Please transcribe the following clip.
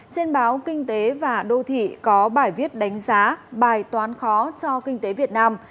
trên báo kinh tế và đô thị có bài viết đánh giá bài toán khó cho kinh tế việt nam